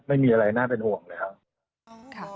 ไม่มีอะไรน่าเป็นห่วงเลยครับ